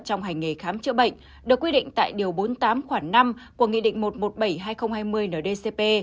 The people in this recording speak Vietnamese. trong hành nghề khám chữa bệnh được quy định tại điều bốn mươi tám khoảng năm của nghị định một trăm một mươi bảy hai nghìn hai mươi ndcp